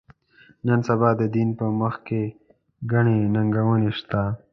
نن سبا د دین په مخ کې ګڼې ننګونې شته.